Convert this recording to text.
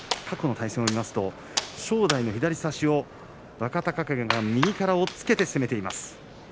過去のこの対戦、正代の左差しを若隆景が右から押っつけて攻めています。